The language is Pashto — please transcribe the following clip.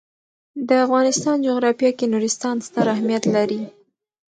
د افغانستان جغرافیه کې نورستان ستر اهمیت لري.